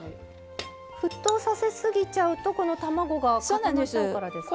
沸騰させすぎちゃうとこの卵が固まっちゃうからですか？